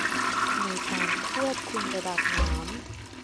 ในการควบคุมระดับน้ำ